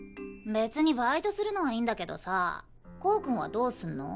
別にバイトするのはいいんだけどさコウ君はどうすんの？